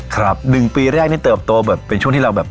ครับหนึ่งปีแรกนี่เติบโตบุ๊มมาก